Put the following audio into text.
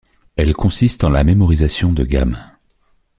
Elle consiste en la mémorisation de gammes.